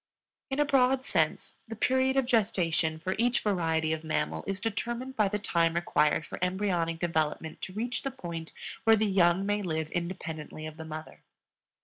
In a broad sense, the period of gestation for each variety of mammal is determined by the time required for embryonic development to reach the point where the young may live independently of the mother.